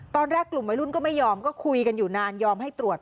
ตอนแรกกลุ่มวัยรุ่นก็ไม่ยอมก็คุยกันอยู่นานยอมให้ตรวจ